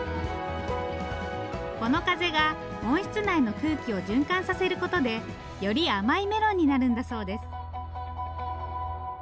この風が温室内の空気を循環させることでより甘いメロンになるんだそうです。